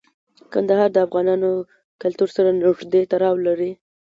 کندهار د افغان کلتور سره نږدې تړاو لري.